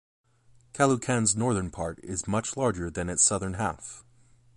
Caloocan's northern part is much larger than its southern half.